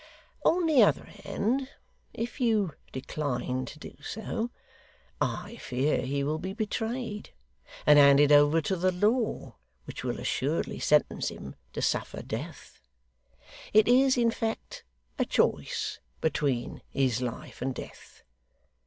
On the other hand, if you decline to do so, I fear he will be betrayed, and handed over to the law, which will assuredly sentence him to suffer death. It is, in fact, a choice between his life and death.